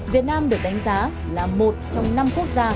việt nam được đánh giá là một trong năm quốc gia